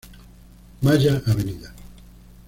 Maya, Av.